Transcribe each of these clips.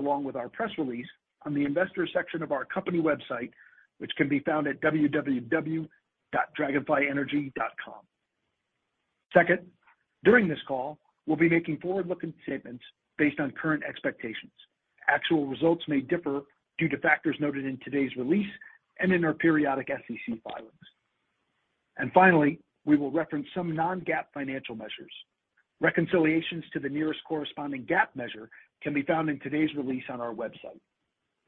Along with our press release on the investor section of our company website, which can be found at www.dragonflyenergy.com. Second, during this call, we'll be making forward-looking statements based on current expectations. Actual results may differ due to factors noted in today's release and in our periodic SEC filings. Finally, we will reference some non-GAAP financial measures. Reconciliations to the nearest corresponding GAAP measure can be found in today's release on our website.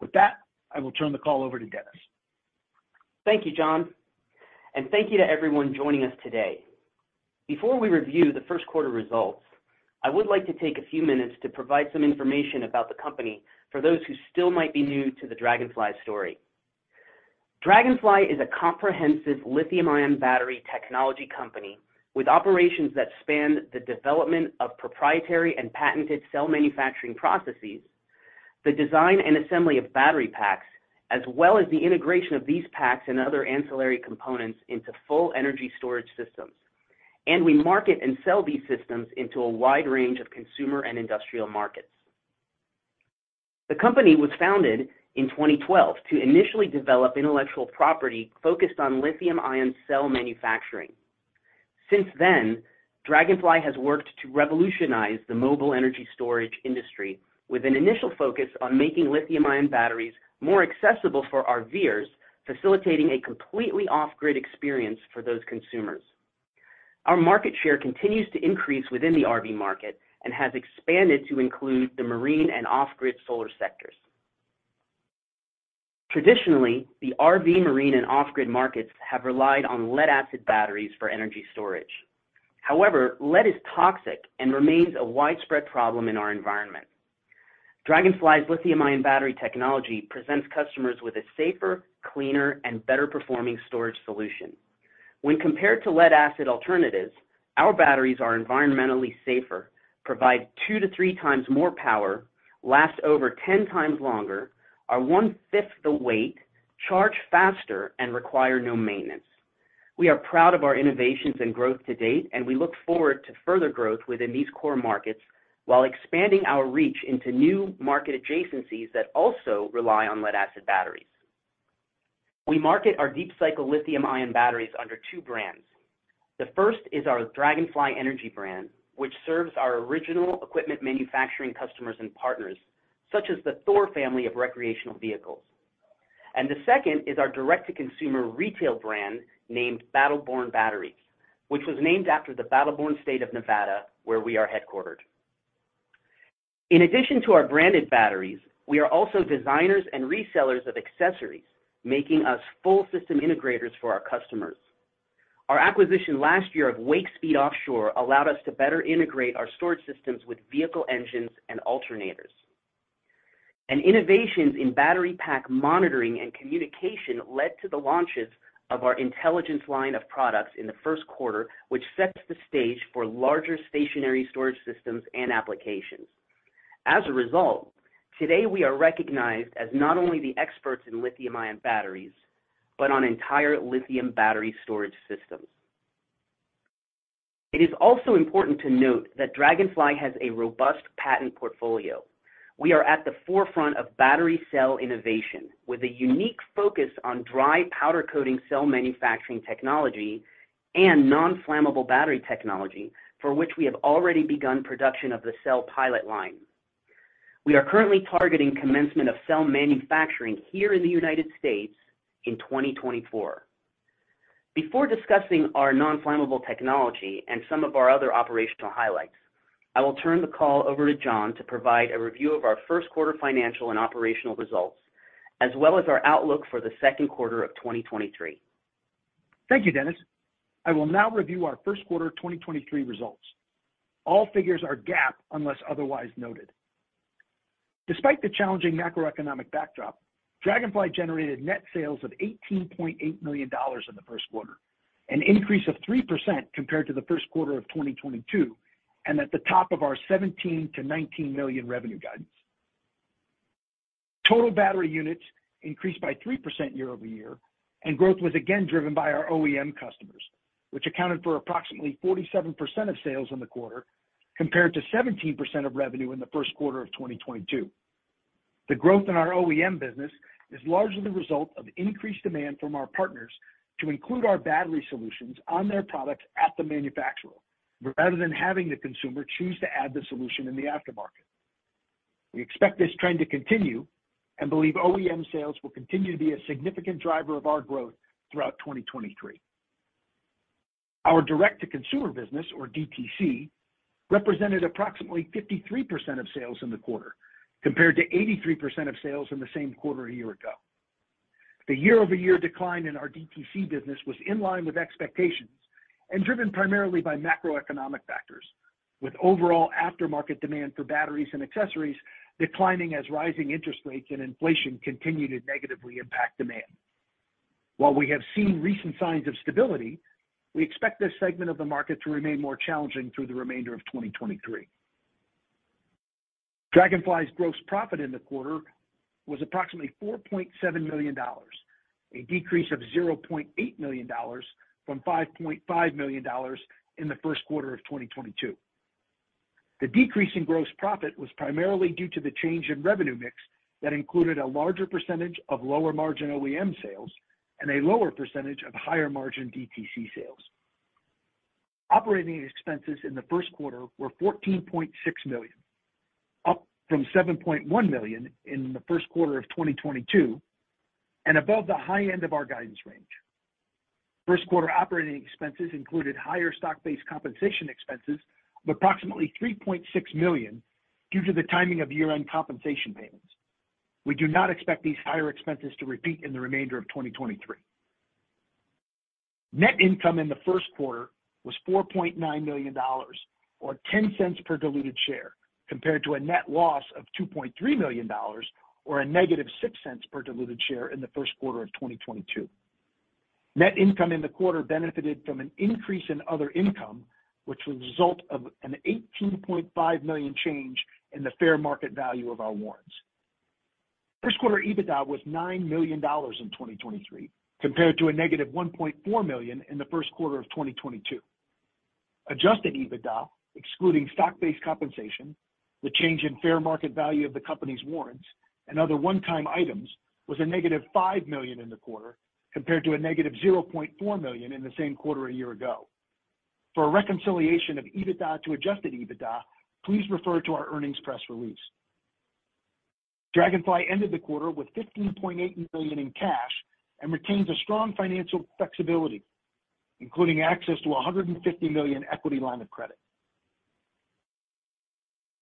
With that, I will turn the call over to Denis. Thank you, John. Thank you to everyone joining us today. Before we review the first quarter results, I would like to take a few minutes to provide some information about the company for those who still might be new to the Dragonfly story. Dragonfly is a comprehensive lithium-ion battery technology company with operations that span the development of proprietary and patented cell manufacturing processes, the design and assembly of battery packs, as well as the integration of these packs and other ancillary components into full energy storage systems. We market and sell these systems into a wide range of consumer and industrial markets. The company was founded in 2012 to initially develop intellectual property focused on lithium-ion cell manufacturing. Since then, Dragonfly has worked to revolutionize the mobile energy storage industry with an initial focus on making lithium-ion batteries more accessible for RVers, facilitating a completely off-grid experience for those consumers. Our market share continues to increase within the RV market and has expanded to include the marine and off-grid solar sectors. Traditionally, the RV, marine, and off-grid markets have relied on lead-acid batteries for energy storage. However, lead is toxic and remains a widespread problem in our environment. Dragonfly's lithium-ion battery technology presents customers with a safer, cleaner, and better performing storage solution. When compared to lead-acid alternatives, our batteries are environmentally safer, provide two to three times more power, last over 10 times longer, are 1/5 the weight, charge faster, and require no maintenance. We are proud of our innovations and growth to date, and we look forward to further growth within these core markets while expanding our reach into new market adjacencies that also rely on lead-acid batteries. We market our deep-cycle lithium-ion batteries under two brands. The first is our Dragonfly Energy brand, which serves our original equipment manufacturing customers and partners, such as the THOR family of recreational vehicles. The second is our direct-to-consumer retail brand named Battle Born Batteries, which was named after the Battle Born State of Nevada, where we are headquartered. In addition to our branded batteries, we are also designers and resellers of accessories, making us full system integrators for our customers. Our acquisition last year of Wakespeed Offshore allowed us to better integrate our storage systems with vehicle engines and alternators. Innovations in battery pack monitoring and communication led to the launches of our Intelligence line of products in the first quarter, which sets the stage for larger stationary storage systems and applications. As a result, today we are recognized as not only the experts in lithium-ion batteries, but on entire lithium battery storage systems. It is also important to note that Dragonfly has a robust patent portfolio. We are at the forefront of battery cell innovation with a unique focus on dry powder coating cell manufacturing technology and non-flammable battery technology, for which we have already begun production of the cell pilot line. We are currently targeting commencement of cell manufacturing here in the United States in 2024. Before discussing our non-flammable technology and some of our other operational highlights, I will turn the call over to John to provide a review of our first quarter financial and operational results, as well as our outlook for the second quarter of 2023. Thank you, Denis. I will now review our first quarter 2023 results. All figures are GAAP unless otherwise noted. Despite the challenging macroeconomic backdrop, Dragonfly generated net sales of $18.8 million in the first quarter, an increase of 3% compared to the first quarter of 2022, and at the top of our $17 million-$19 million revenue guidance. Total battery units increased by 3% year-over-year, growth was again driven by our OEM customers, which accounted for approximately 47% of sales in the quarter, compared to 17% of revenue in the first quarter of 2022. The growth in our OEM business is largely the result of increased demand from our partners to include our battery solutions on their products at the manufacturer, rather than having the consumer choose to add the solution in the aftermarket. We expect this trend to continue and believe OEM sales will continue to be a significant driver of our growth throughout 2023. Our direct-to-consumer business, or DTC, represented approximately 53% of sales in the quarter, compared to 83% of sales in the same quarter a year ago. The year-over-year decline in our DTC business was in line with expectations and driven primarily by macroeconomic factors, with overall aftermarket demand for batteries and accessories declining as rising interest rates and inflation continue to negatively impact demand. While we have seen recent signs of stability, we expect this segment of the market to remain more challenging through the remainder of 2023. Dragonfly's gross profit in the quarter was approximately $4.7 million. A decrease of $0.8 million from $5.5 million in the first quarter of 2022. The decrease in gross profit was primarily due to the change in revenue mix that included a larger % of lower margin OEM sales and a lower % of higher margin DTC sales. Operating expenses in the first quarter were $14.6 million, up from $7.1 million in the first quarter of 2022, and above the high end of our guidance range. First quarter operating expenses included higher stock-based compensation expenses of approximately $3.6 million due to the timing of year-end compensation payments. We do not expect these higher expenses to repeat in the remainder of 2023. Net income in the first quarter was $4.9 million, or $0.10 per diluted share, compared to a net loss of $2.3 million or a negative $0.06 per diluted share in the first quarter of 2022. Net income in the quarter benefited from an increase in other income, which was a result of an $18.5 million change in the fair market value of our warrants. First quarter EBITDA was $9 million in 2023, compared to a -$1.4 million in the first quarter of 2022. Adjusted EBITDA, excluding stock-based compensation, the change in fair market value of the company's warrants, and other one-time items, was a -$5 million in the quarter, compared to a -$0.4 million in the same quarter a year ago. For a reconciliation of EBITDA to Adjusted EBITDA, please refer to our earnings press release. Dragonfly ended the quarter with $15.8 million in cash and retains a strong financial flexibility, including access to a $150 million equity line of credit.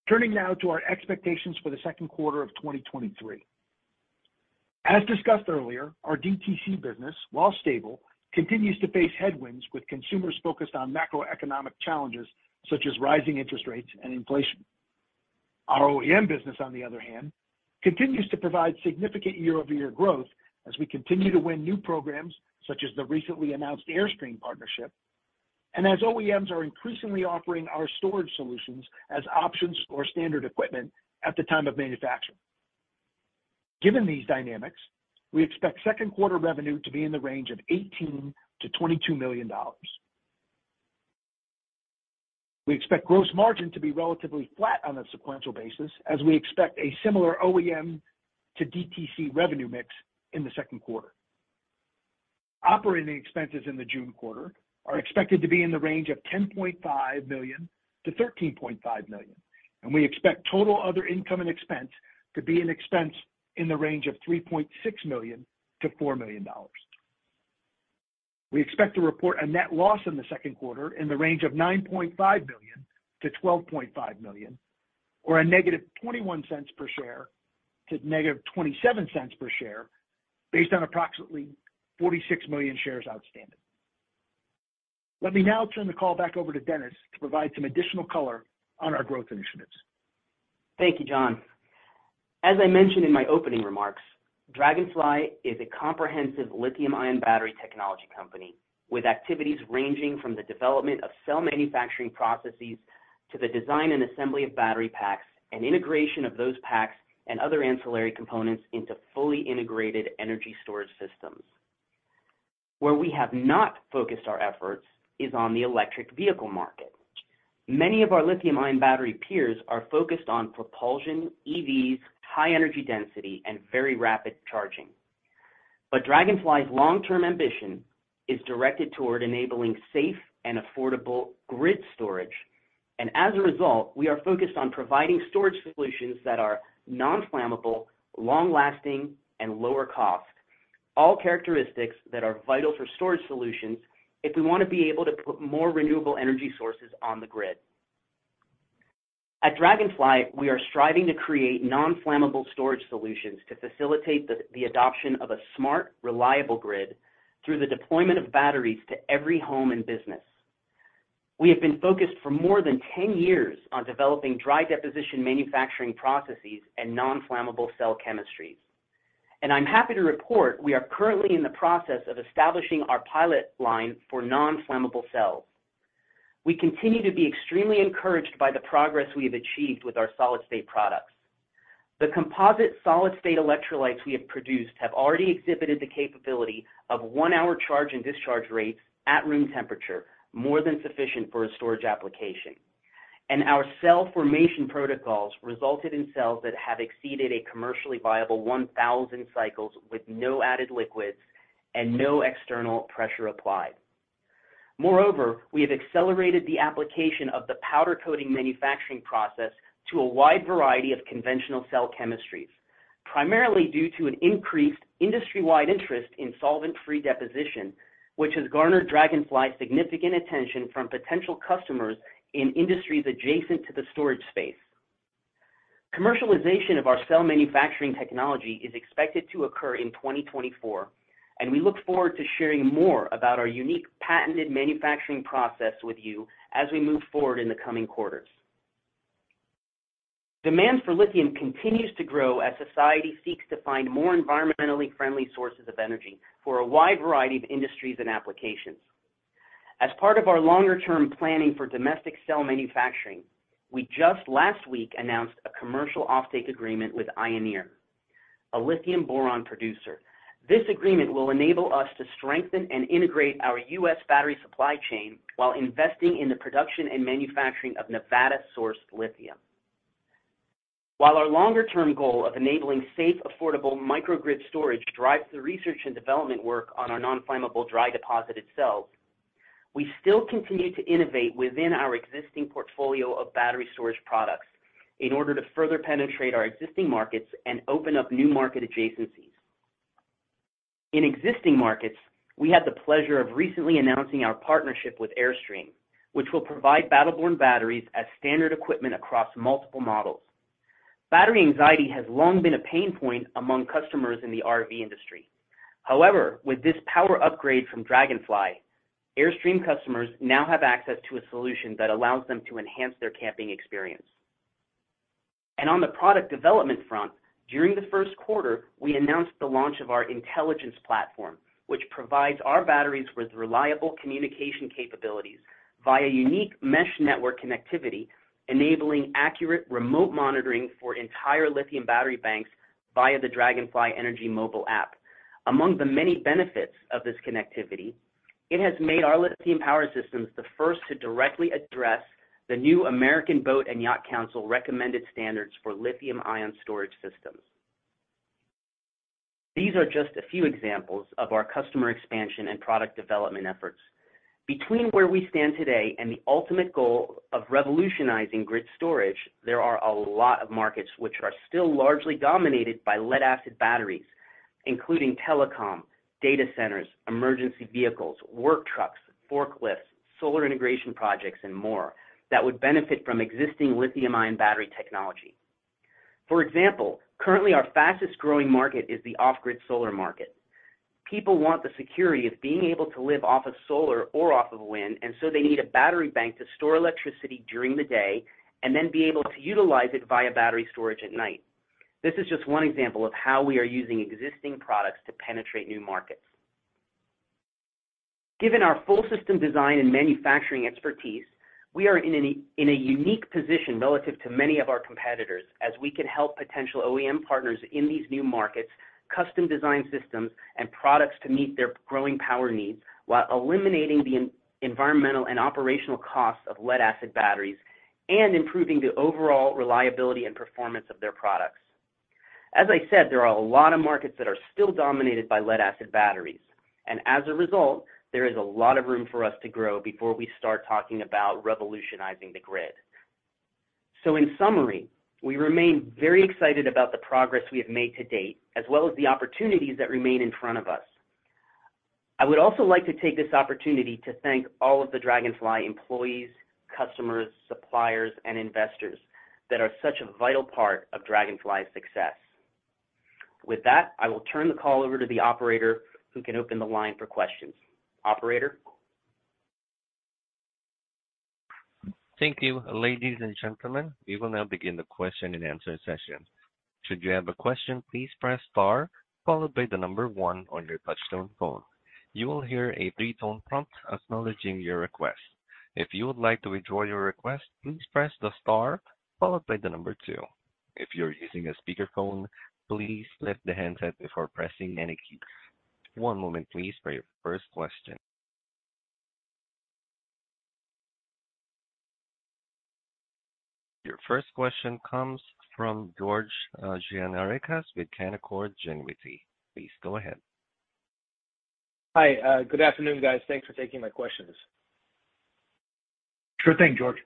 Turning now to our expectations for the second quarter of 2023. As discussed earlier, our DTC business, while stable, continues to face headwinds with consumers focused on macroeconomic challenges such as rising interest rates and inflation. Our OEM business, on the other hand, continues to provide significant year-over-year growth as we continue to win new programs, such as the recently announced Airstream partnership, and as OEMs are increasingly offering our storage solutions as options or standard equipment at the time of manufacturing. Given these dynamics, we expect second quarter revenue to be in the range of $18 million-$22 million. We expect gross margin to be relatively flat on a sequential basis as we expect a similar OEM to DTC revenue mix in the second quarter. Operating expenses in the June quarter are expected to be in the range of $10.5 million-$13.5 million, and we expect total other income and expense to be an expense in the range of $3.6 million-$4 million. We expect to report a net loss in the second quarter in the range of $9.5 million-$12.5 million, or a -$0.21 per share to -$0.27 per share, based on approximately 46 million shares outstanding. Let me now turn the call back over to Denis to provide some additional color on our growth initiatives. Thank you, John. As I mentioned in my opening remarks, Dragonfly is a comprehensive lithium-ion battery technology company with activities ranging from the development of cell manufacturing processes to the design and assembly of battery packs and integration of those packs and other ancillary components into fully integrated energy storage systems. Where we have not focused our efforts is on the electric vehicle market. Many of our lithium-ion battery peers are focused on propulsion, EVs, high energy density, and very rapid charging. Dragonfly's long-term ambition is directed toward enabling safe and affordable grid storage. As a result, we are focused on providing storage solutions that are non-flammable, long-lasting, and lower cost, all characteristics that are vital for storage solutions if we wanna be able to put more renewable energy sources on the grid. At Dragonfly, we are striving to create non-flammable storage solutions to facilitate the adoption of a smart, reliable grid through the deployment of batteries to every home and business. We have been focused for more than 10 years on developing dry deposition manufacturing processes and non-flammable cell chemistries. I'm happy to report we are currently in the process of establishing our pilot line for non-flammable cells. We continue to be extremely encouraged by the progress we have achieved with our solid-state products. The composite solid-state electrolytes we have produced have already exhibited the capability of one-hour charge and discharge rates at room temperature, more than sufficient for a storage application. Our cell formation protocols resulted in cells that have exceeded a commercially viable 1,000 cycles with no added liquids and no external pressure applied. Moreover, we have accelerated the application of the powder coating manufacturing process to a wide variety of conventional cell chemistries, primarily due to an increased industry-wide interest in solvent-free deposition, which has garnered Dragonfly significant attention from potential customers in industries adjacent to the storage space. Commercialization of our cell manufacturing technology is expected to occur in 2024. We look forward to sharing more about our unique patented manufacturing process with you as we move forward in the coming quarters. Demand for lithium continues to grow as society seeks to find more environmentally friendly sources of energy for a wide variety of industries and applications. As part of our longer-term planning for domestic cell manufacturing, we just last week announced a commercial offtake agreement with Ioneer, a lithium-boron producer. This agreement will enable us to strengthen and integrate our U.S. battery supply chain while investing in the production and manufacturing of Nevada-sourced lithium. While our longer-term goal of enabling safe, affordable microgrid storage drives the research and development work on our non-flammable dry deposited cells, we still continue to innovate within our existing portfolio of battery storage products in order to further penetrate our existing markets and open up new market adjacencies. In existing markets, we had the pleasure of recently announcing our partnership with Airstream, which will provide Battle Born Batteries as standard equipment across multiple models. Battery anxiety has long been a pain point among customers in the RV industry. However, with this power upgrade from Dragonfly, Airstream customers now have access to a solution that allows them to enhance their camping experience. On the product development front, during the first quarter, we announced the launch of our intelligence platform, which provides our batteries with reliable communication capabilities via unique mesh network connectivity, enabling accurate remote monitoring for entire lithium battery banks via the Dragonfly Energy mobile app. Among the many benefits of this connectivity, it has made our lithium power systems the first to directly address the new American Boat and Yacht Council recommended standards for lithium-ion storage systems. These are just a few examples of our customer expansion and product development efforts. Between where we stand today and the ultimate goal of revolutionizing grid storage, there are a lot of markets which are still largely dominated by lead-acid batteries, including telecom, data centers, emergency vehicles, work trucks, forklifts, solar integration projects, and more that would benefit from existing lithium-ion battery technology. For example, currently our fastest-growing market is the off-grid solar market. People want the security of being able to live off of solar or off of wind, and so they need a battery bank to store electricity during the day and then be able to utilize it via battery storage at night. This is just one example of how we are using existing products to penetrate new markets. Given our full system design and manufacturing expertise, we are in a unique position relative to many of our competitors as we can help potential OEM partners in these new markets, custom design systems and products to meet their growing power needs while eliminating the environmental and operational costs of lead-acid batteries and improving the overall reliability and performance of their products. As I said, there are a lot of markets that are still dominated by lead-acid batteries, and as a result, there is a lot of room for us to grow before we start talking about revolutionizing the grid. In summary, we remain very excited about the progress we have made to date, as well as the opportunities that remain in front of us. I would also like to take this opportunity to thank all of the Dragonfly employees, customers, suppliers, and investors that are such a vital part of Dragonfly's success. With that, I will turn the call over to the operator who can open the line for questions. Operator? Thank you. Ladies and gentlemen, we will now begin the question-and-answer session. Should you have a question, please press star one on your touchtone phone. You will hear a three-tone prompt acknowledging your request. If you would like to withdraw your request, please press star two. If you're using a speakerphone, please lift the handset before pressing any keys. One moment please for your first question. Your first question comes from George Gianarikas with Canaccord Genuity. Please go ahead. Hi. good afternoon, guys. Thanks for taking my questions. Sure thing, George.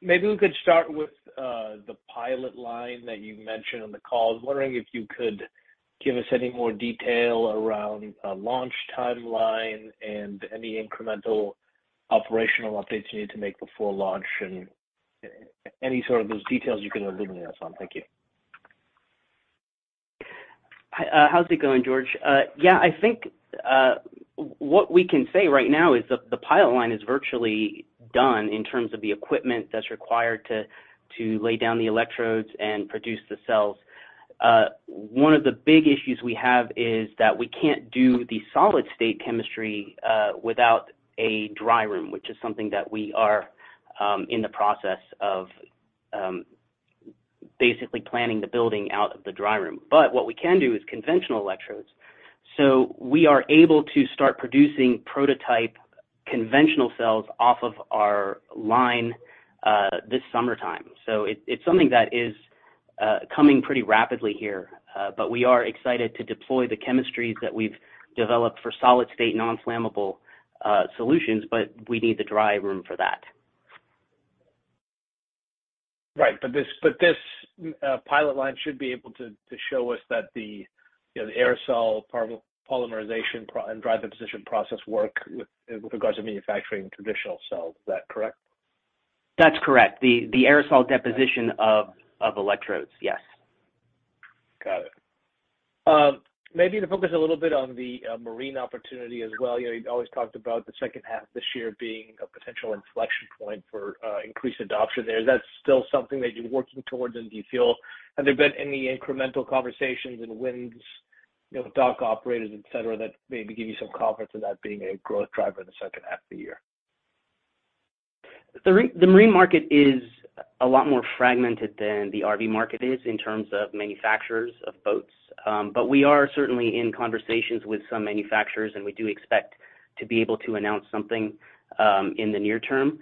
Maybe we could start with the pilot line that you mentioned on the call. I was wondering if you could give us any more detail around a launch timeline and any incremental operational updates you need to make before launch, and any sort of those details you can illuminate us on. Thank you. Hi. How's it going, George? Yeah, I think, what we can say right now is that the pilot line is virtually done in terms of the equipment that's required to lay down the electrodes and produce the cells. One of the big issues we have is that we can't do the solid-state chemistry without a dry room, which is something that we are in the process of basically planning the building out of the dry room. What we can do is conventional electrodes. We are able to start producing prototype conventional cells off of our line this summertime. It's something that is coming pretty rapidly here. We are excited to deploy the chemistries that we've developed for solid-state non-flammable solutions, but we need the dry room for that. Right. This pilot line should be able to show us that, you know, the aerosol polymerization and dry deposition process work with regards to manufacturing traditional cells. Is that correct? That's correct. The aerosol deposition of electrodes, yes. Got it. Maybe to focus a little bit on the marine opportunity as well. You know, you've always talked about the second half this year being a potential inflection point for increased adoption there. Is that still something that you're working towards? Have there been any incremental conversations and wins, you know, with dock operators, et cetera, that maybe give you some confidence in that being a growth driver in the second half of the year? The marine market is a lot more fragmented than the RV market is in terms of manufacturers of boats. We are certainly in conversations with some manufacturers, and we do expect to be able to announce something in the near term.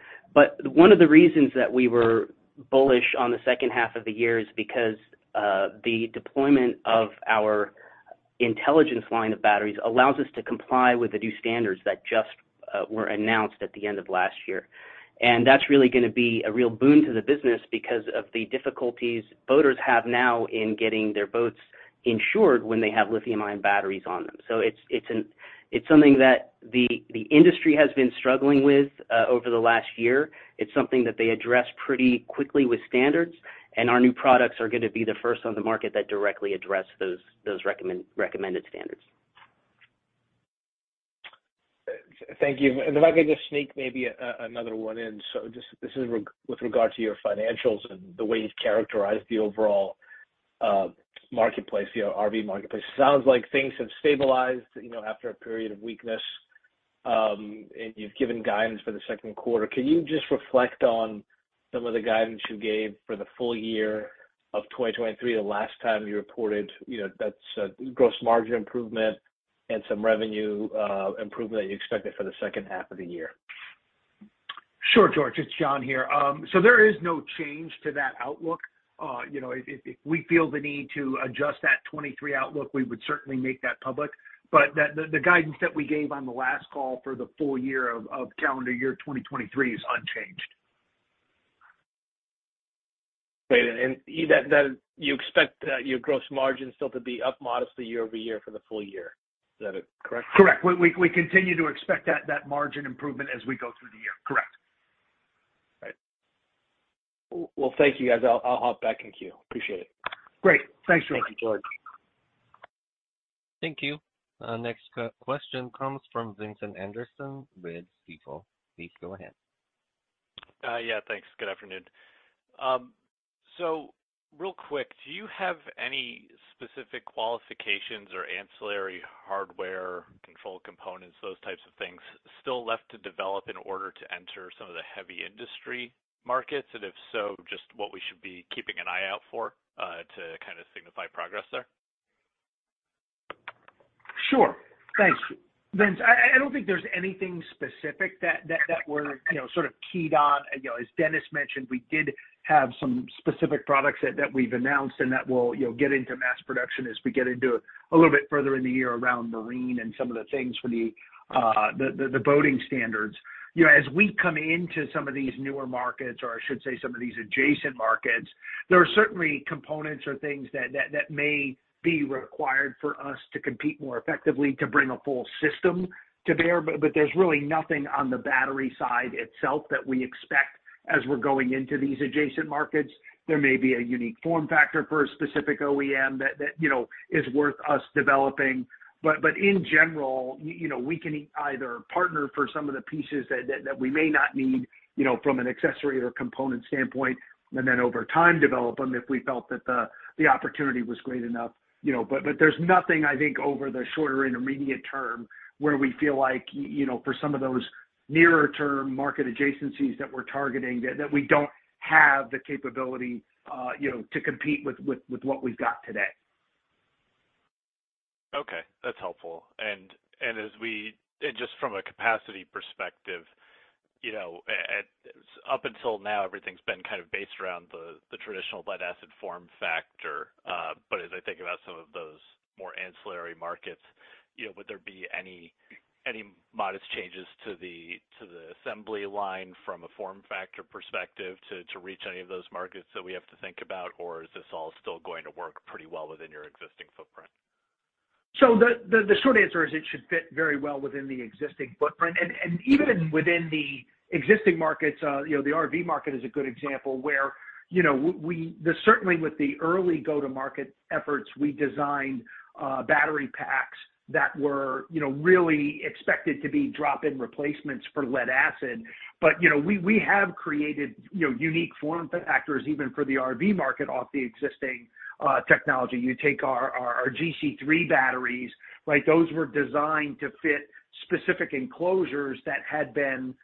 One of the reasons that we were bullish on the second half of the year is because the deployment of our IntelLigence line of batteries allows us to comply with the new standards that just were announced at the end of last year. That's really gonna be a real boon to the business because of the difficulties boaters have now in getting their boats insured when they have lithium-ion batteries on them. It's something that the industry has been struggling with over the last year. It's something that they address pretty quickly with standards, and our new products are gonna be the first on the market that directly address those recommended standards. Thank you. If I could just sneak maybe another one in. Just this is with regard to your financials and the way you've characterized the overall marketplace, you know, RV marketplace. Sounds like things have stabilized, you know, after a period of weakness, and you've given guidance for the second quarter. Can you just reflect on some of the guidance you gave for the full year of 2023, the last time you reported, you know, that's gross margin improvement and some revenue improvement that you expected for the second half of the year? Sure, George. It's John here. There is no change to that outlook. You know, if we feel the need to adjust that 2023 outlook, we would certainly make that public. The guidance that we gave on the last call for the full year of calendar year 2023 is unchanged. Great. That you expect your gross margin still to be up modestly year-over-year for the full year. Is that it? Correct? Correct. We continue to expect that margin improvement as we go through the year. Correct. Right. Well, thank you, guys. I'll hop back in queue. Appreciate it. Great. Thanks, George. Thank you, George. Thank you. Next question comes from Vincent Anderson with Stifel. Please go ahead. Yeah, thanks. Good afternoon. Real quick, do you have any specific qualifications or ancillary hardware control components, those types of things, still left to develop in order to enter some of the heavy industry markets? If so, just what we should be keeping an eye out for, to kind of signify progress there. Sure. Thanks. Vince, I don't think there's anything specific that we're, you know, sort of keyed on. You know, as Denis mentioned, we did have some specific products that we've announced and that we'll, you know, get into mass production as we get into a little bit further in the year around marine and some of the things for the boating standards. You know, as we come into some of these newer markets, or I should say some of these adjacent markets, there are certainly components or things that may be required for us to compete more effectively to bring a full system to bear, but there's really nothing on the battery side itself that we expect as we're going into these adjacent markets. There may be a unique form factor for a specific OEM that, you know, is worth us developing. In general, you know, we can either partner for some of the pieces that we may not need, you know, from an accessory or component standpoint, and then over time develop them if we felt that the opportunity was great enough, you know. There's nothing, I think, over the shorter intermediate term where we feel like, you know, for some of those nearer term market adjacencies that we're targeting that we don't have the capability, you know, to compete with what we've got today. Okay. That's helpful. Just from a capacity perspective, you know, up until now everything's been kind of based around the traditional lead acid form factor. As I think about some of those more ancillary markets, you know, would there be any modest changes to the assembly line from a form factor perspective to reach any of those markets that we have to think about, or is this all still going to work pretty well within your existing footprint? The short answer is it should fit very well within the existing footprint. Even within the existing markets, you know, the RV market is a good example where, you know, certainly with the early go-to-market efforts, we designed battery packs that were, you know, really expected to be drop-in replacements for lead acid. You know, we have created, you know, unique form factors even for the RV market off the existing technology. You take our GC3 batteries, like those were designed to fit specific enclosures that had been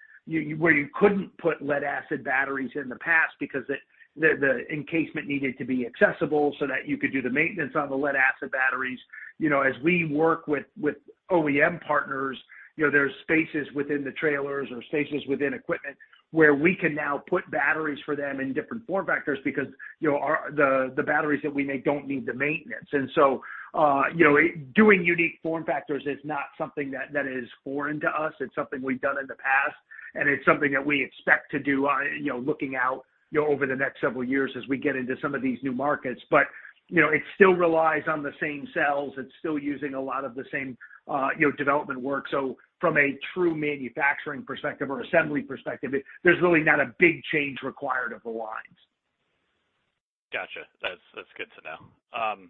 where you couldn't put lead acid batteries in the past because the encasement needed to be accessible so that you could do the maintenance on the lead acid batteries. You know, as we work with OEM partners, you know, there's spaces within the trailers or spaces within equipment where we can now put batteries for them in different form factors because, you know, the batteries that we make don't need the maintenance. You know, doing unique form factors is not something that is foreign to us. It's something we've done in the past, and it's something that we expect to do, you know, looking out, you know, over the next several years as we get into some of these new markets. You know, it still relies on the same cells. It's still using a lot of the same, you know, development work. From a true manufacturing perspective or assembly perspective, there's really not a big change required of the lines. Gotcha. That's, that's good to know.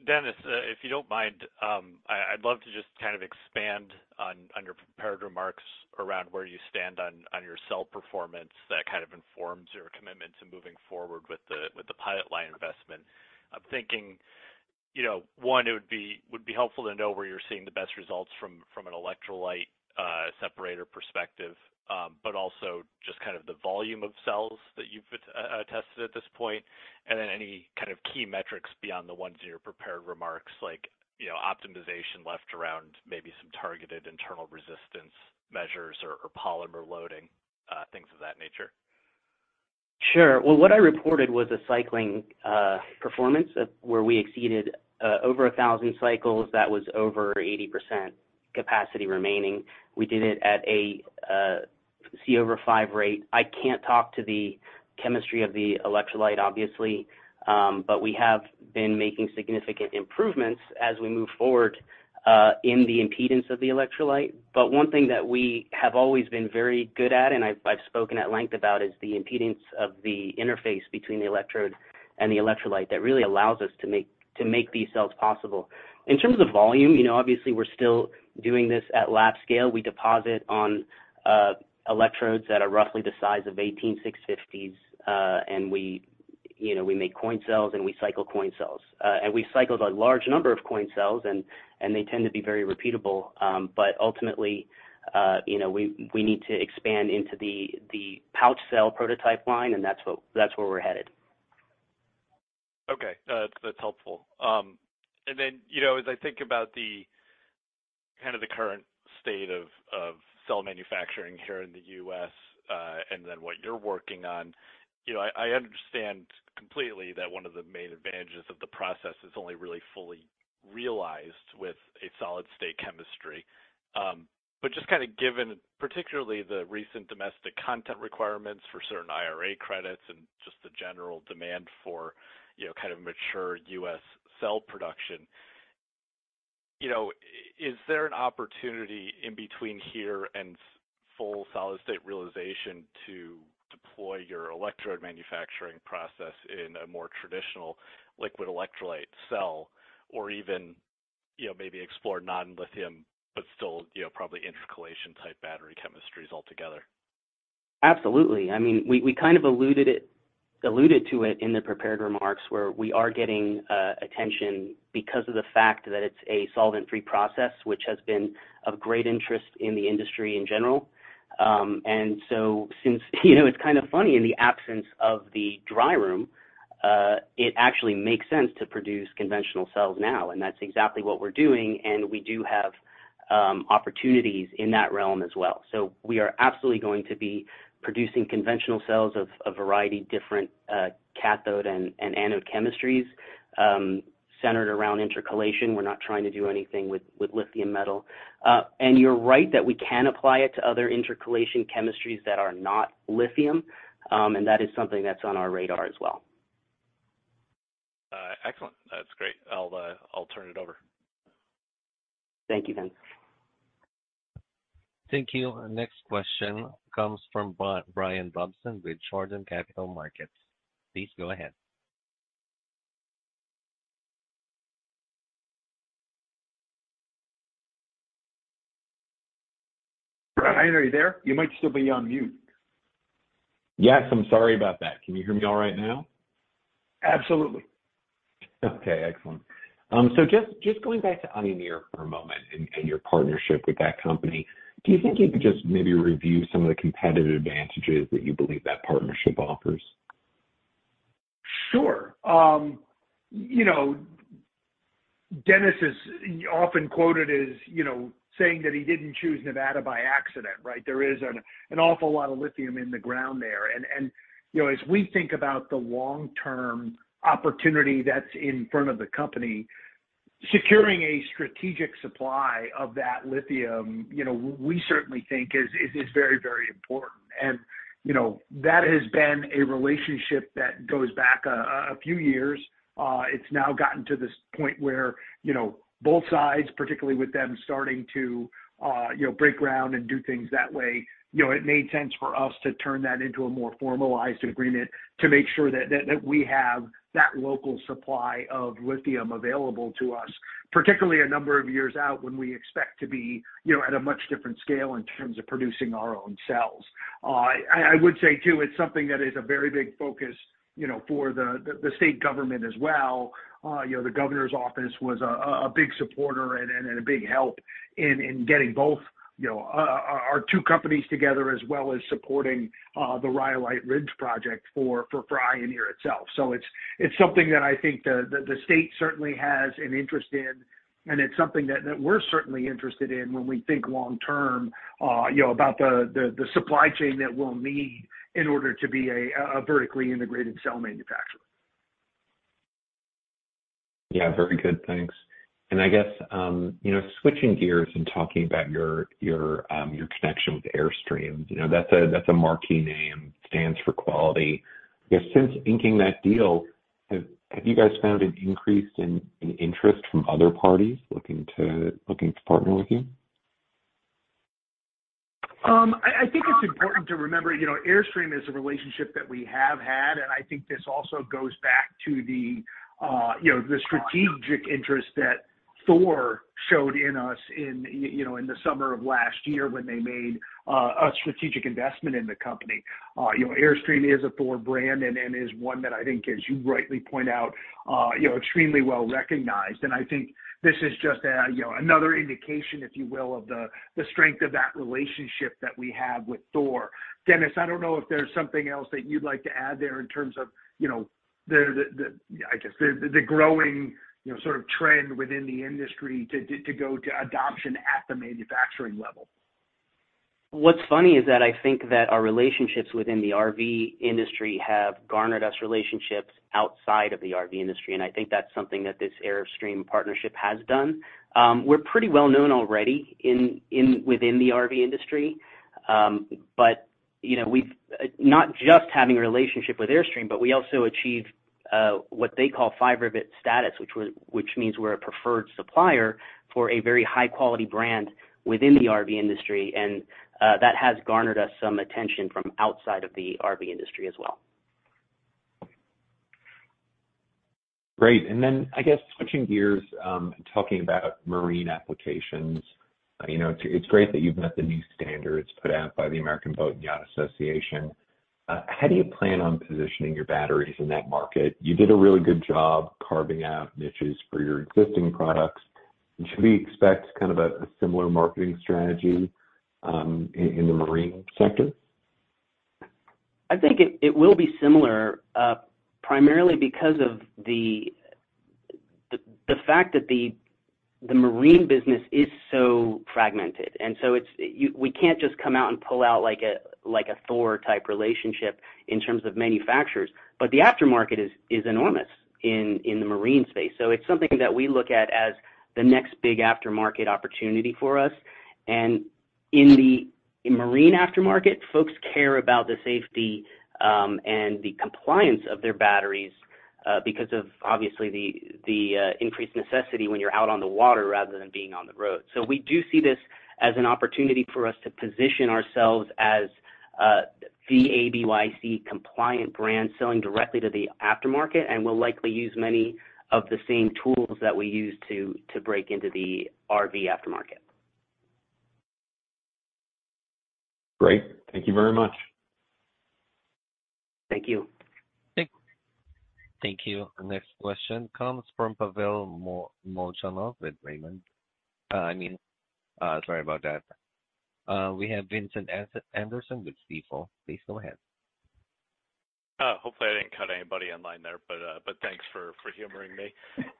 Denis, if you don't mind, I'd love to just kind of expand on your prepared remarks around where you stand on your cell performance that kind of informs your commitment to moving forward with the pilot line investment. You know, one, it would be helpful to know where you're seeing the best results from an electrolyte, separator perspective. Also just kind of the volume of cells that you've tested at this point, and then any kind of key metrics beyond the ones in your prepared remarks, like, you know, optimization left around maybe some targeted internal resistance measures or polymer loading, things of that nature. Sure. Well, what I reported was a cycling performance where we exceeded over 1,000 cycles that was over 80% capacity remaining. We did it at a C/5 rate. I can't talk to the chemistry of the electrolyte, obviously, but we have been making significant improvements as we move forward in the impedance of the electrolyte. One thing that we have always been very good at, and I've spoken at length about, is the impedance of the interface between the electrode and the electrolyte that really allows us to make these cells possible. In terms of volume, you know, obviously we're still doing this at lab scale. We deposit on electrodes that are roughly the size of 18650s, and we, you know, we make coin cells, and we cycle coin cells. We've cycled a large number of coin cells, and they tend to be very repeatable. Ultimately, you know, we need to expand into the pouch cell prototype line, and that's where we're headed. Okay. That's helpful. Then, you know, as I think about the kind of the current state of cell manufacturing here in the U.S., and then what you're working on, you know, I understand completely that one of the main advantages of the process is only really fully realized with a solid-state chemistry. Just kind of given particularly the recent domestic content requirements for certain IRA credits and just the general demand for, you know, kind of mature U.S. cell production, you know, is there an opportunity in between here and full solid-state realization to deploy your electrode manufacturing process in a more traditional liquid electrolyte cell, even, you know, maybe explore non-lithium, but still, you know, probably intercalation type battery chemistries altogether? Absolutely. I mean, we kind of alluded to it in the prepared remarks where we are getting attention because of the fact that it's a solvent-free process, which has been of great interest in the industry in general. Since you know, it's kind of funny in the absence of the dry room, it actually makes sense to produce conventional cells now, and that's exactly what we're doing, and we do have opportunities in that realm as well. We are absolutely going to be producing conventional cells of variety, different cathode and anode chemistries, centered around intercalation. We're not trying to do anything with lithium metal. You're right that we can apply it to other intercalation chemistries that are not lithium, and that is something that's on our radar as well. Excellent. That's great. I'll turn it over. Thank you, Vince. Thank you. Next question comes from Brian Jordan with Jordan Capital Markets. Please go ahead. Brian, are you there? You might still be on mute. Yes, I'm sorry about that. Can you hear me all right now? Absolutely. Okay, excellent. Just going back to Ioneer for a moment and your partnership with that company, do you think you could just maybe review some of the competitive advantages that you believe that partnership offers? Sure. you know, Denis is often quoted as, you know, saying that he didn't choose Nevada by accident, right? There is an awful lot of lithium in the ground there. you know, as we think about the long-term opportunity that's in front of the company, securing a strategic supply of that lithium, you know, we certainly think is very, very important. you know, that has been a relationship that goes back a few years. It's now gotten to this point where, you know, both sides, particularly with them starting to, you know, break ground and do things that way, you know, it made sense for us to turn that into a more formalized agreement to make sure that we have that local supply of lithium available to us, particularly a number of years out when we expect to be, you know, at a much different scale in terms of producing our own cells. I would say too, it's something that is a very big focus, you know, for the state government as well. You know, the governor's office was a big supporter and a big help in getting both, you know, our two companies together, as well as supporting the Rhyolite Ridge Project for Ioneer itself. It's something that I think the state certainly has an interest in, and it's something that we're certainly interested in when we think long term, you know, about the supply chain that we'll need in order to be a vertically integrated cell manufacturer. Yeah, very good. Thanks. I guess, you know, switching gears and talking about your connection with Airstream, you know, that's a, that's a marquee name, stands for quality. You know, since inking that deal, have you guys found an increase in interest from other parties looking to partner with you? I think it's important to remember, you know, Airstream is a relationship that we have had. I think this also goes back to the, you know, the strategic interest that THOR showed in us in, you know, in the summer of last year when they made a strategic investment in the company. You know, Airstream is a THOR brand and is one that I think, as you rightly point out, you know, extremely well-recognized. I think this is just a, you know, another indication, if you will, of the strength of that relationship that we have with THOR. Denis, I don't know if there's something else that you'd like to add there in terms of, you know, the... I guess the growing, you know, sort of trend within the industry to go to adoption at the manufacturing level. What's funny is that I think that our relationships within the RV industry have garnered us relationships outside of the RV industry, and I think that's something that this Airstream partnership has done. We're pretty well known already within the RV industry. You know, not just having a relationship with Airstream, but we also achieve what they call Five-Rivet status, which means we're a preferred supplier for a very high quality brand within the RV industry. That has garnered us some attention from outside of the RV industry as well. Great. I guess switching gears, talking about marine applications. You know, it's great that you've met the new standards put out by the American Boat and Yacht Council. How do you plan on positioning your batteries in that market? You did a really good job carving out niches for your existing products. Should we expect kind of a similar marketing strategy in the marine sector? I think it will be similar, primarily because of the fact that the marine business is so fragmented, it's. We can't just come out and pull out like a, like a THOR type relationship in terms of manufacturers. The aftermarket is enormous in the marine space. It's something that we look at as the next big aftermarket opportunity for us. In the marine aftermarket, folks care about the safety and the compliance of their batteries because of obviously the increased necessity when you're out on the water rather than being on the road. We do see this as an opportunity for us to position ourselves as an ABYC compliant brand selling directly to the aftermarket, and we'll likely use many of the same tools that we use to break into the RV aftermarket. Great. Thank you very much. Thank you. Thank you. Next question comes from Pavel Molchanov with Raymond James. I mean... Sorry about that. We have Vincent Anderson with Stifel. Please go ahead. Hopefully, I didn't cut anybody online there, but thanks for humoring me.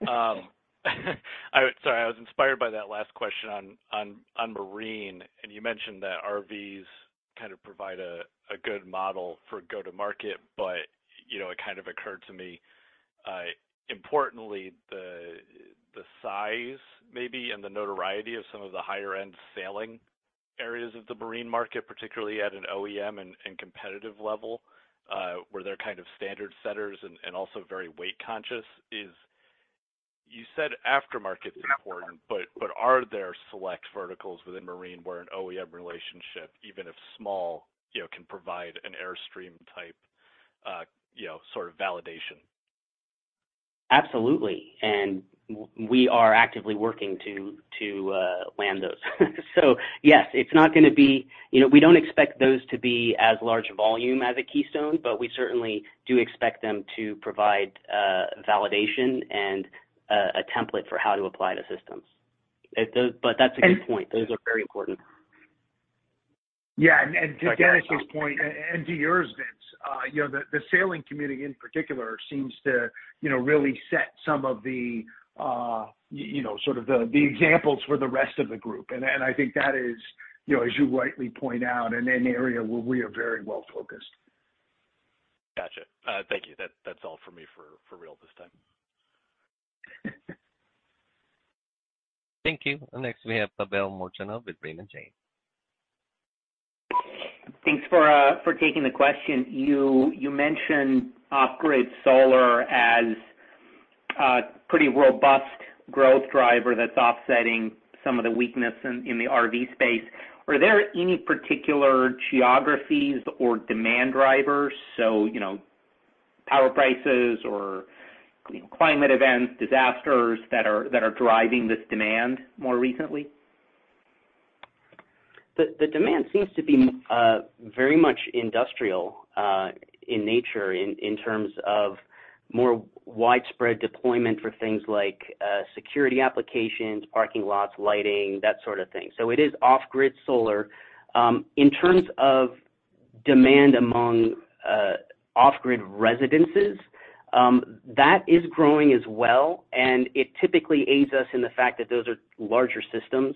Sorry, I was inspired by that last question on marine. You mentioned that RVs kind of provide a good model for go-to-market, but, you know, it kind of occurred to me importantly, the size maybe and the notoriety of some of the higher-end sailing areas of the marine market, particularly at an OEM and competitive level, where they're kind of standard setters and also very weight conscious is. You said aftermarket's important, but are there select verticals within marine where an OEM relationship, even if small, you know, can provide an Airstream type, you know, sort of validation? Absolutely. We are actively working to land those. Yes, it's not gonna be. You know, we don't expect those to be as large volume as a Keystone, but we certainly do expect them to provide validation and a template for how to apply the systems. That's a good point. Those are very important. Yeah. To Denis's point and to yours, Vince, you know, the sailing community in particular seems to, you know, really set some of the, you know, sort of the examples for the rest of the group. I think that is, you know, as you rightly point out, an area where we are very well focused. Gotcha. Thank you. That's all for me for real this time. Thank you. Next we have Pavel Molchanov with Raymond James. Thanks for taking the question. You mentioned off-grid solar as a pretty robust growth driver that's offsetting some of the weakness in the RV space. Are there any particular geographies or demand drivers, so you know, power prices or climate events, disasters that are driving this demand more recently? The demand seems to be very much industrial in nature in terms of more widespread deployment for things like security applications, parking lots, lighting, that sort of thing. It is off-grid solar. In terms of demand among off-grid residences, that is growing as well, and it typically aids us in the fact that those are larger systems.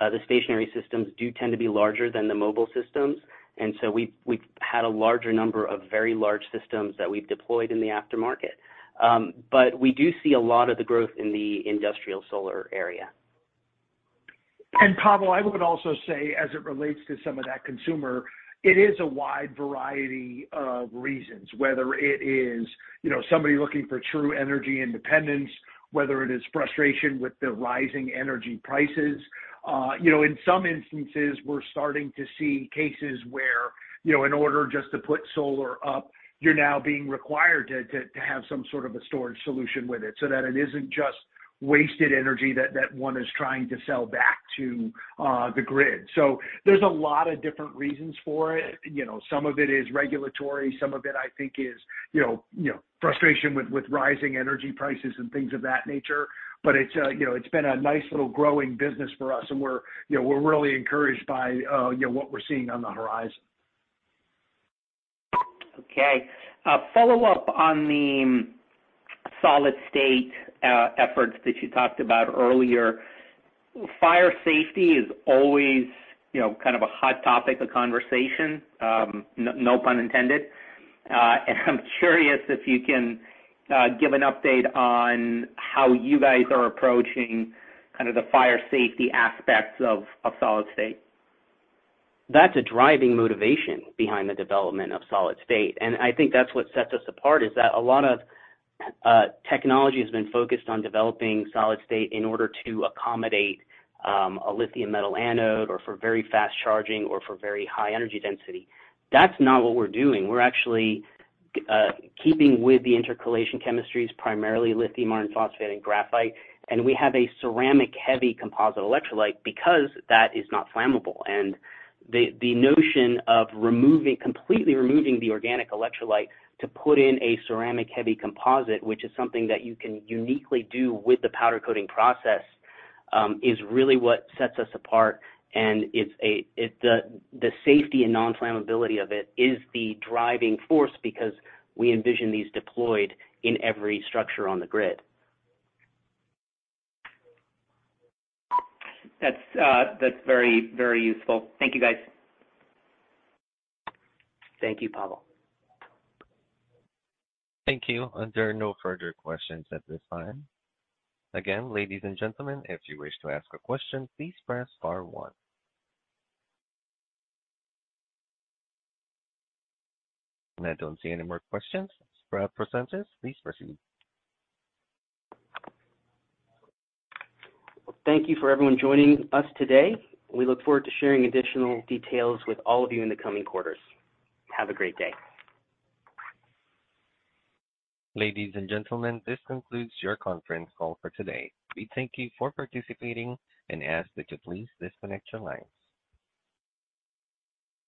The stationary systems do tend to be larger than the mobile systems, we've had a larger number of very large systems that we've deployed in the aftermarket. We do see a lot of the growth in the industrial solar area. Pavel, I would also say as it relates to some of that consumer, it is a wide variety of reasons. Whether it is, you know, somebody looking for true energy independence, whether it is frustration with the rising energy prices. You know, in some instances, we're starting to see cases where, you know, in order just to put solar up, you're now being required to have some sort of a storage solution with it so that it isn't wasted energy that one is trying to sell back to the grid. There's a lot of different reasons for it. You know, some of it is regulatory, some of it, I think is, you know, frustration with rising energy prices and things of that nature. It's, you know, it's been a nice little growing business for us and we're, you know, we're really encouraged by, you know, what we're seeing on the horizon. Okay. A follow-up on the solid-state efforts that you talked about earlier. Fire safety is always, you know, kind of a hot topic of conversation, no pun intended. I'm curious if you can give an update on how you guys are approaching kind of the fire safety aspects of solid state. That's a driving motivation behind the development of solid-state, and I think that's what sets us apart, is that a lot of technology has been focused on developing solid-state in order to accommodate a lithium metal anode or for very fast charging or for very high energy density. That's not what we're doing. We're actually keeping with the intercalation chemistries, primarily lithium iron phosphate and graphite. We have a ceramic-heavy composite electrolyte because that is not flammable. The, completely removing the organic electrolyte to put in a ceramic-heavy composite, which is something that you can uniquely do with the powder coating process, is really what sets us apart. The safety and non-flammability of it is the driving force because we envision these deployed in every structure on the grid. That's very, very useful. Thank you, guys. Thank you, Pavel. Thank you. There are no further questions at this time. Again, ladies and gentlemen, if you wish to ask a question, please press star one. I don't see any more questions. Sprout presenters, please proceed. Well, thank you for everyone joining us today. We look forward to sharing additional details with all of you in the coming quarters. Have a great day. Ladies and gentlemen, this concludes your conference call for today. We thank you for participating and ask that you please disconnect your lines.